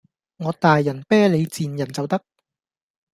我大人睥你賤人就得